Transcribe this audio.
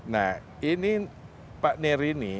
nah ini pak neri ini